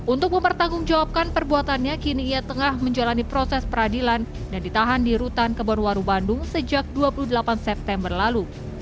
untuk mempertanggungjawabkan perbuatannya kini ia tengah menjalani proses peradilan dan ditahan di rutan kebonwaru bandung sejak dua puluh delapan september lalu